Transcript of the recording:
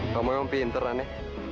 kamu memang pinter ane